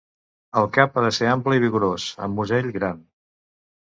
El cap ha de ser ample i vigorós, amb musell gran.